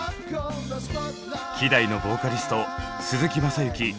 希代のボーカリスト鈴木雅之６６歳。